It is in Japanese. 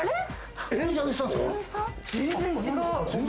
全然違う。